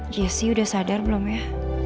jessi udah sadar belum ya